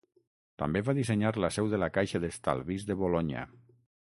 També va dissenyar la seu de la Caixa d'Estalvis de Bolonya.